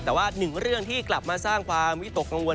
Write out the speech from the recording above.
แต่ว่าหนึ่งเรื่องที่กลับมาสร้างความวิตกกังวล